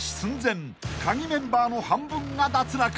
［カギメンバーの半分が脱落］